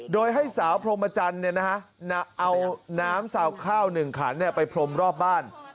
โดยให้สาวพรมจันทร์เอาน้ำสาวข้าว๑ขันไปพรมรอบบ้าน